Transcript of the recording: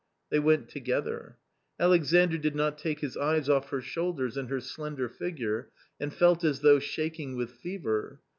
They went together. Alexandr did not take his eyes off her shoulders and her slender figure, and felt as though shaking with fever.